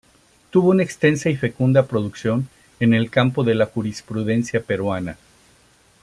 Tuvo una extensa y fecunda producción en el campo de la jurisprudencia peruana.